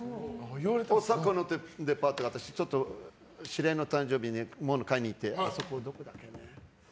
大阪のデパートで知り合いの誕生日の物を買いに行って。